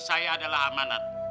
saya adalah amanat